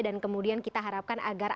dan kemudian kita harapkan agar